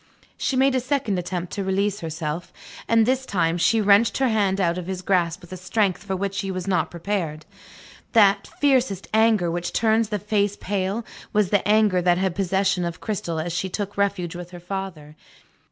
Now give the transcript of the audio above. She made a second attempt to release herself; and this time, she wrenched her hand out of his grasp with a strength for which he was not prepared. That fiercest anger which turns the face pale, was the anger that had possession of Cristel as she took refuge with her father.